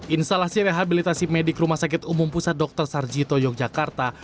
instalasi rehabilitasi medik rumah sakit umum pusat dr sarjito yogyakarta